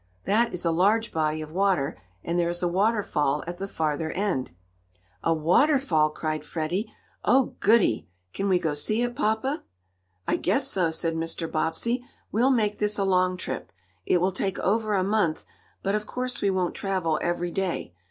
That is a large body of water, and there is a waterfall at the farther end." "A waterfall!" cried Freddie. "Oh, goodie! Can we go see it, papa?" "I guess so," said Mr. Bobbsey. "We'll make this a long trip. It will take over a month, but of course we won't travel every day.